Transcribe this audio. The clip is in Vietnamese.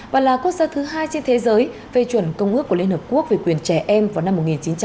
và là quốc gia thứ hai trên thế giới phê chuẩn công ước của liên hợp quốc về quyền trẻ em vào năm một nghìn chín trăm tám mươi